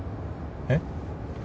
えっ？